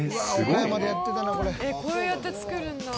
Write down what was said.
えっこうやって作るんだ。